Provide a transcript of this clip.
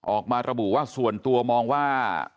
ออกมาระบุว่าส่วนตัวมองว่า